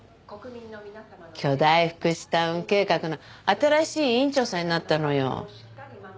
巨大福祉タウン計画の新しい委員長さんになったのよ。